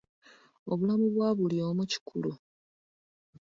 Obulamu bwa buli omu kikulu.